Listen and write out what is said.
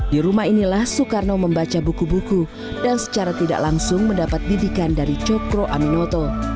di rumah inilah soekarno membaca buku buku dan secara tidak langsung mendapat bidikan dari cokro aminoto